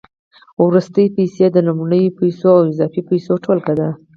وروستۍ پیسې د لومړنیو پیسو او اضافي پیسو ټولګه ده